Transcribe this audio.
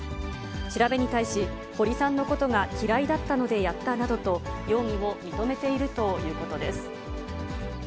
調べに対し、堀さんのことが嫌いだったのでやったなどと、容疑を認めているということです。